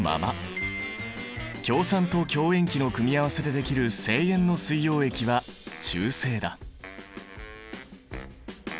強酸と強塩基の組み合わせでできる正塩の水溶液は中性だ。